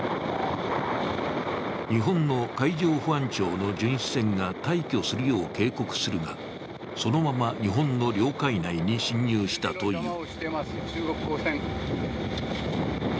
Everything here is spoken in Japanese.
日本の海上保安庁の巡視船が退去するよう警告するが、そのまま日本の領海内に侵入したという。